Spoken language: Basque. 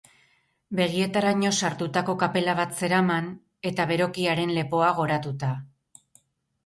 Begietaraino sartutako kapela bat zeraman, eta berokiaren lepoa goratuta.